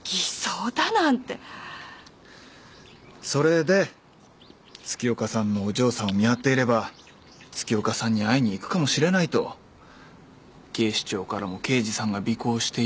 それで月岡さんのお嬢さんを見張っていれば月岡さんに会いに行くかもしれないと警視庁からも刑事さんが尾行しているんですね？